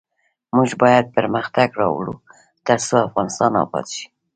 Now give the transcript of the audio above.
موږ باید پرمختګ راوړو ، ترڅو افغانستان اباد شي.